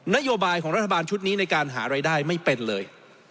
นโยบายของรัฐบาลชุดนี้ในการหารายได้ไม่เป็นเลย